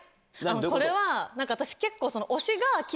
これは私結構。